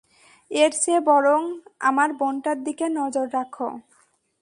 এরচেয়ে বরং আমার বোনটার দিকে নজর রাখো।